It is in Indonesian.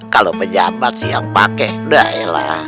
kalau pejabat sih yang pake dah elah